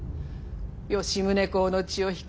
吉宗公の血を引く